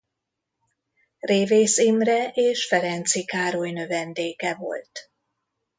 Révész Imre és Ferenczy Károly növendéke volt.